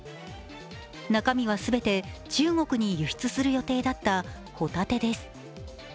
中身は全て中国に輸出する予定だったホタテです。